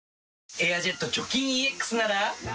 「エアジェット除菌ＥＸ」